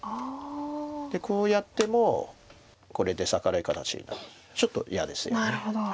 こうやってもこれでサガられる形がちょっと嫌ですよね。